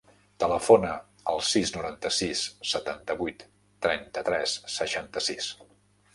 Telefona al sis, noranta-sis, setanta-vuit, trenta-tres, seixanta-sis.